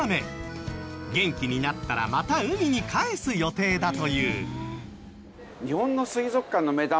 元気になったらまた海に返す予定だという。